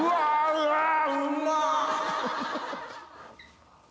うわうんま。